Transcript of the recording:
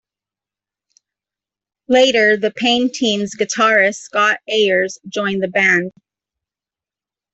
Later The Pain Teens guitarist Scott Ayers joined the band.